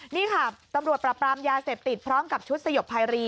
นี่ค่ะตำรวจปรับปรามยาเสพติดพร้อมกับชุดสยบภัยรี